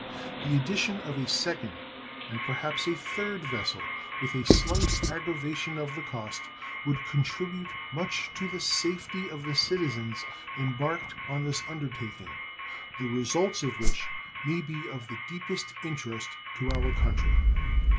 The addition of a 2nd, and perhaps a 3rd, vessel, with a slight aggravation of the cost, would contribute much to the safety of the citizens embarked on this under taking, the results of which may be of the deepest interest to our country.